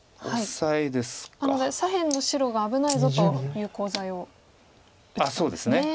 なので左辺の白が危ないぞというコウ材を打ったんですね。